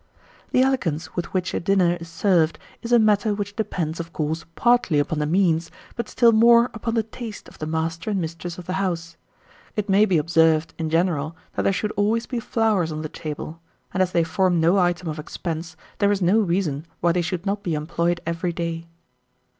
1884. The elegance with which a dinner is served is a matter which depends, of course, partly upon the means, but still more upon the taste of the master and mistress of the house. It may be observed, in general, that there should always be flowers on the table, and as they form no item of expense, there is no reason why they should not be employed every day.